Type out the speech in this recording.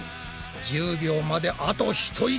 １０秒まであと一息だ！